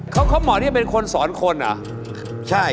เขาเหมาะที่เป็นคนสอนคนเหรอใช่